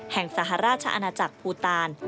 สหราชอาณาจักรภูตาล